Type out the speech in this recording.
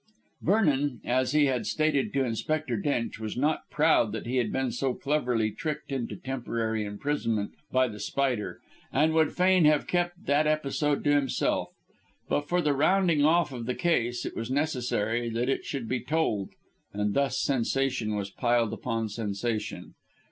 Vernon, as he had stated to Inspector Drench, was not proud that he had been so cleverly tricked into temporary imprisonment by The Spider, and would fain have kept that episode to himself. But for the rounding off of the case, it was necessary that it should be told, and thus sensation was piled upon sensation.